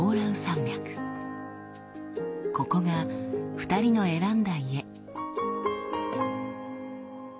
ここが２人の選んだ家。